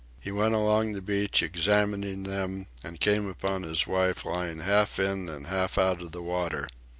He went along the beach examining them, and came upon his wife, lying half in and half out of the water.